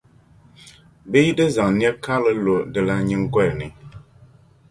bɛ yi di zaŋ nɛ’ karili lo dilan’ nyiŋgoli ni.